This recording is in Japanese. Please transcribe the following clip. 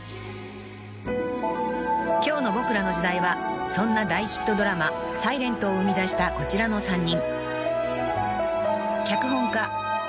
［今日の『ボクらの時代』はそんな大ヒットドラマ『ｓｉｌｅｎｔ』を生み出したこちらの３人］